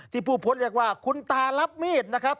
ที่ผู้พลมแบบว่าคุณตารับมีดนะครับ